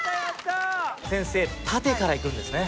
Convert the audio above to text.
先生縦からいくんですね。